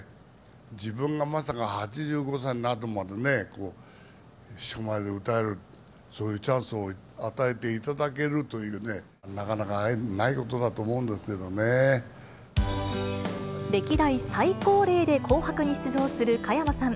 自分がまさか、８５歳になってまでね、人前で歌える、そういうチャンスを与えていただけるというね、なかなかないことだと思うん歴代最高齢で紅白に出場する加山さん。